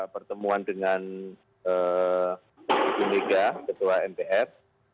pertemuan dengan bumegah ketua mpr